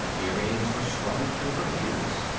Earrings were strung through her ears.